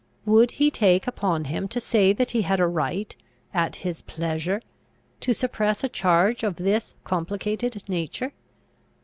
Would he take upon him to say that he had a right, at his pleasure, to suppress a charge of this complicated nature?